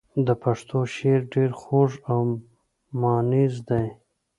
د پښتو شعر ډېر خوږ او مانیز دی.